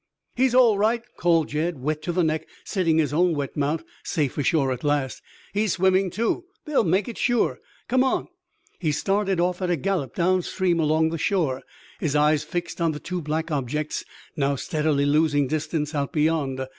"He's all right!" called Jed, wet to the neck, sitting his own wet mount, safe ashore at last. "He's swimming too. They'll make it, sure! Come on!" He started off at a gallop downstream along the shore, his eyes fixed on the two black objects, now steadily losing distance out beyond.